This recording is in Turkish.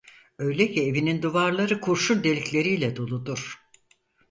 Öyle ki evinin duvarları kurşun delikleriyle doludur.